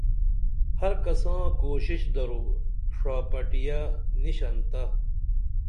ہر کساں کوشیش درو ݜاپٹی یہ نِشن تہ